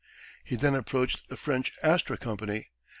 He then approached the French Astra Company.